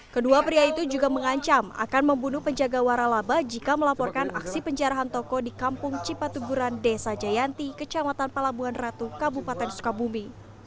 kedua pria itu juga mengancam akan membunuh penjaga waralaba jika melaporkan aksi penjarahan toko di kampung cipatuguran desa jayanti kecamatan palabuhan ratu kabupaten sukabumi